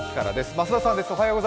増田さんです。